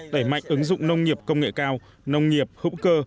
đẩy mạnh ứng dụng nông nghiệp công nghệ cao nông nghiệp hữu cơ